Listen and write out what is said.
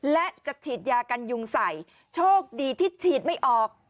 และจะฉีดยากันยุงใส่โชคดีที่ฉีดไม่ออก